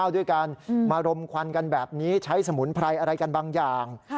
ด้วยกันมารมควันกันแบบนี้ใช้สมุนไพรอะไรกันบางอย่าง